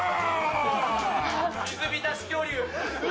水浸し恐竜。